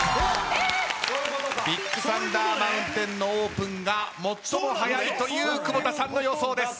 ビッグサンダー・マウンテンのオープンが最も早いという窪田さんの予想です。